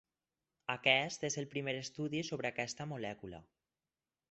Aquest és el primer estudi sobre aquesta molècula.